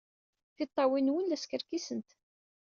Tiṭṭawin-nwen la skerkisent.